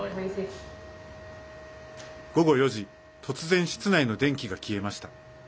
午後４時突然、室内の電気が消えました。